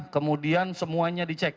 kemudian semuanya dicek